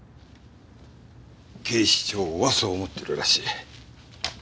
警視庁はそう思ってるらしい。